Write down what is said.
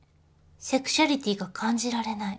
セクシャリティーが感じられない。